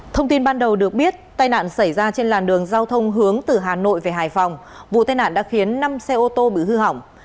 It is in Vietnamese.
thông tin ban đầu được biết tai nạn xảy ra trên làn đường giao thông hướng từ hà nội về hải phòng vụ tai nạn đã khiến năm xe ô tô bị hư hỏng